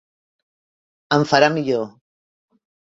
Em farà millor.